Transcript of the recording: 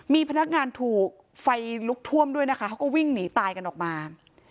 มีพนักงานถูกไฟลุกท่วมด้วยนะคะเขาก็วิ่งหนีตายกันออกมา